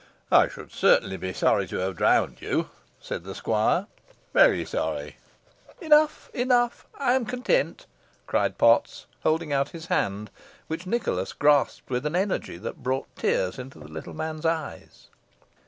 "I should certainly be sorry to have drowned you," said the squire "very sorry." "Enough enough I am content," cried Potts, holding out his hand, which Nicholas grasped with an energy that brought tears into the little man's eyes.